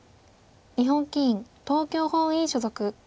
日本棋院東京本院所属。